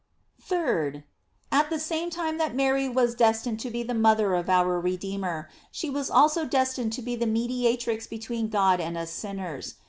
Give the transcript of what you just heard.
3d. At the same time that Mary was destined to be the mother of our Redeemer, she was also destined to be the mediatrix between God and us sinners.